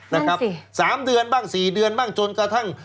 นะครับ๓เดือนบ้าง๔เดือนบ้างจนกระทั่ง